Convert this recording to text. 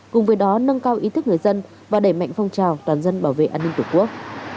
cùng với đó nâng cao ý thức người dân và đẩy mạnh phong trào toàn dân bảo vệ an ninh tổ quốc